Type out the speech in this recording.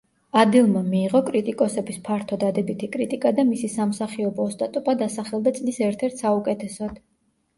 ადელმა მიიღო კრიტიკოსების ფართო დადებითი კრიტიკა და მისი სამსახიობო ოსტატობა დასახელდა წლის ერთ-ერთ საუკეთესოდ.